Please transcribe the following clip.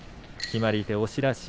決まり手、押し出し。